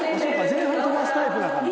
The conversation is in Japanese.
前半飛ばすタイプだから。